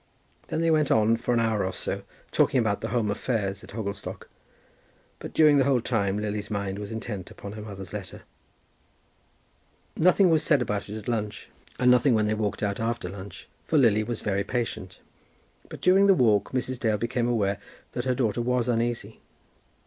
Then they went on for an hour or so, talking about the home affairs at Hogglestock. But during the whole time Lily's mind was intent upon her mother's letter. Nothing was said about it at lunch, and nothing when they walked out after lunch, for Lily was very patient. But during the walk Mrs. Dale became aware that her daughter was uneasy.